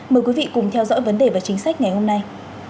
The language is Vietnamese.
mời quý vị cùng theo dõi vấn đề và chính sách ngày hôm nay